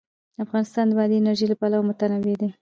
افغانستان د بادي انرژي له پلوه متنوع دی.